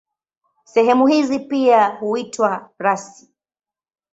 Sehemu hizi pia huitwa rasi.